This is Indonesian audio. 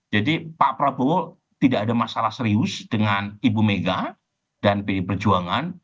jadi pak prabowo tidak ada masalah serius dengan ibu mega dan pdi perjuangan